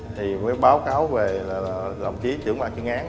thì mới báo cáo về là lòng chí trưởng bạc chứng án